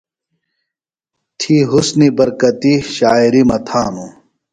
تھی حُسنی برکتی شاعِری مہ تھانوۡ۔